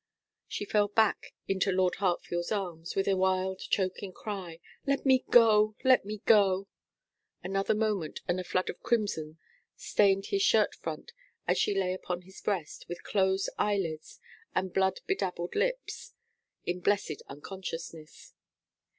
She fell back into Lord Hartfield's arms, with a wild choking cry: 'Let me go! Let me go!' Another moment, and a flood of crimson stained his shirt front, as she lay upon his breast, with closed eyelids and blood bedabbled lips, in blessed unconsciousness.